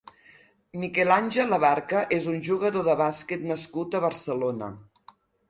Miguel Ángel Abarca és un jugador de bàsquet nascut a Barcelona.